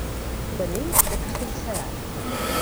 Venim de Castellserà.